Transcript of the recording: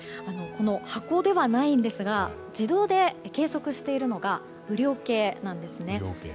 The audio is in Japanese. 箱ではないんですが自動で計測しているのが雨量計なんですね。